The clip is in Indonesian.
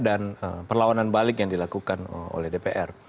dan perlawanan balik yang dilakukan oleh dpr